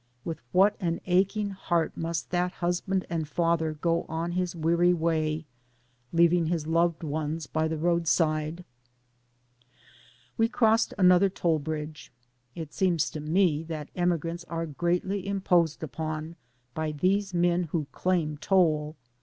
With what an aching heart must that husband and father go on his weary way, leaving his loved ones by the roadside. We crossed another toll bridge. It seems to me that emigrants are greatly imposed upon by these men who claim toll.